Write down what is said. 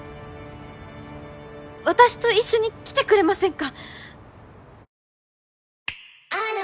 私と一緒に来てくれませんか？